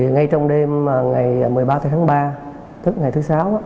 ngay trong đêm ngày một mươi ba tháng ba tức ngày thứ sáu